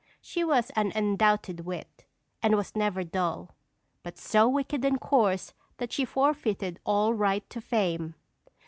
She was an undoubted wit, and was never dull, but so wicked and coarse that she forfeited all right to fame.